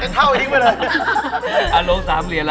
ช่วยหลอกพี่นะ